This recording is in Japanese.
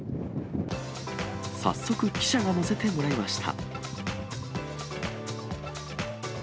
早速、記者が乗せてもらいました。